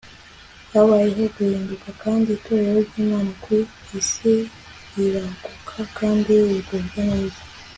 habayeho guhinduka kandi itorero ry'imana ku isi riraguka kandi rigubwa neza